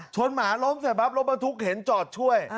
ชนหมาล้มแสดงภาพลบมาทุกเห็นจอดช่วย